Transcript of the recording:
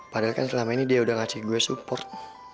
padahal kan selama ini dia udah ngasih gue support